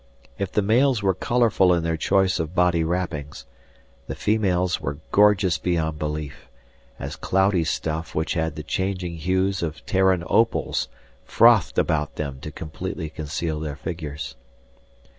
If the males were colorful in their choice of body wrappings, the females were gorgeous beyond belief, as cloudy stuff which had the changing hues of Terran opals frothed about them to completely conceal their figures.